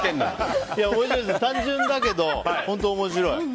単純だけど本当に面白い。